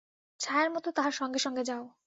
ছায়ার মত তাহার সঙ্গে সঙ্গে যাও।